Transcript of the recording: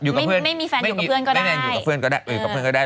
อยู่กับเพื่อนก็ได้ไม่มีแฟนอยู่กับเพื่อนก็ได้